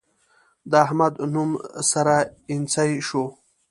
د احمد نوم سره اينڅۍ شو.